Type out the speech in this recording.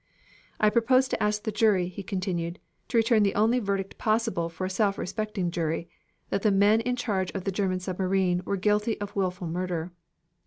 "I propose to ask the jury," he continued, "to return the only verdict possible for a self respecting jury, that the men in charge of the German submarine were guilty of wilful murder."